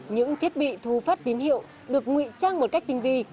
những thiết bị thu phát biến hiệu được ngụy trang một cách tinh vi